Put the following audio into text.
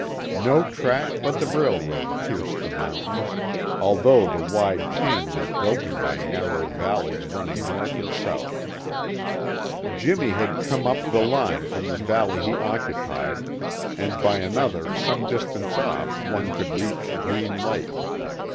No track but the railroad pierced the mountains, although the wide chain was broken by narrow valleys running north and south. Jimmy had come up the line from the valley he occupied, and by another some distance off one could reach Green Lake.